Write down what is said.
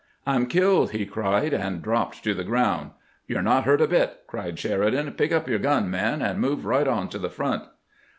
" I 'm killed !" he cried, and dropped to the ground. " You 're not hurt a bit !" cried Sheridan. "Pick up your gun, man, and move right on to the front."